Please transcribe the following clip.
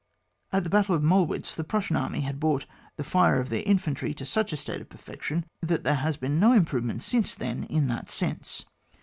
At the battle of MoUwitz the Prussian army had brought the fire of their infantry to such a state of perfection, that there has been no improvement since then in that sense.